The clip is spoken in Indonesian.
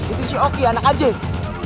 itu si oki anak anjing